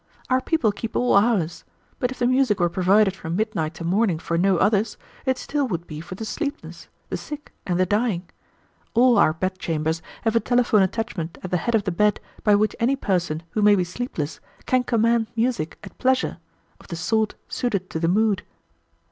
"Our people keep all hours; but if the music were provided from midnight to morning for no others, it still would be for the sleepless, the sick, and the dying. All our bedchambers have a telephone attachment at the head of the bed by which any person who may be sleepless can command music at pleasure, of the sort suited to the mood."